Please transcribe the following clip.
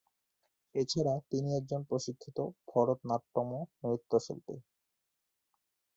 এছাড়া তিনি একজন প্রশিক্ষিত ভরতনাট্যম নৃত্যশিল্পী।